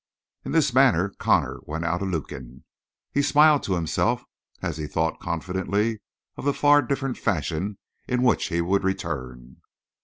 In this manner Connor went out of Lukin. He smiled to himself, as he thought confidently of the far different fashion in which he would return.